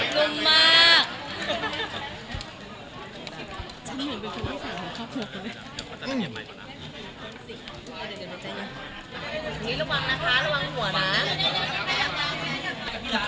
มีเล่าบ้างนะคะระวังหนูหัวนะ